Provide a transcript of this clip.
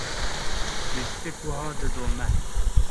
lîstik wiha didome.